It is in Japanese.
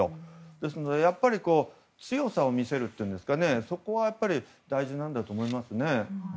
ですので、強さを見せるというそこはやっぱり大事なんだと思います。